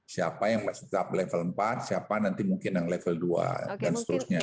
siapa yang masih tetap level empat siapa nanti mungkin yang level dua dan seterusnya